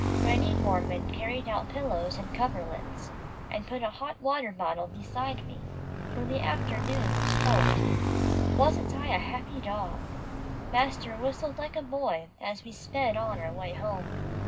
Granny Gorman carried out pillows and coverlets, and put a hot water bottle beside me, for the afternoon was cold. Wasn't I a happy dog! Master whistled like a boy, as we sped on our way home.